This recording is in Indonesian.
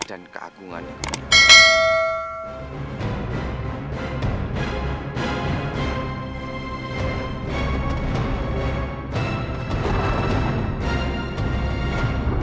dan keagungannya kepada saya